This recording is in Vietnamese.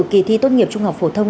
kỳ thi tốt nghiệp trung học phổ thông